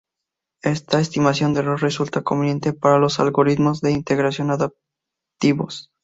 Esta estimación de error resulta conveniente para los algoritmos de integración adaptativos.